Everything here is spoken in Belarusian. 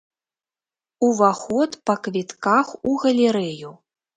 Уваход па квітках у галерэю.